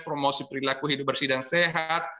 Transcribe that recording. promosi perilaku hidup bersih dan sehat